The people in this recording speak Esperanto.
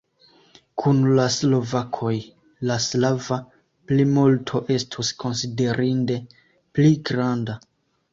Kun la slovakoj la slava plimulto estus konsiderinde pli granda.